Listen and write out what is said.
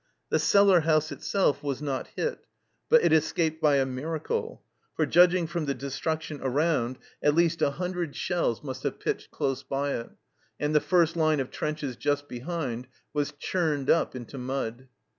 The cellar house itself was not hit, but it escaped by a miracle, for, judging from the destruction around, at least a hundred&shells WAITING FOR ATTACK 197 must have pitched close by it, and the first line of trenches just behind was churned up into mud.